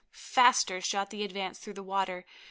Faster shot the Advance through the water.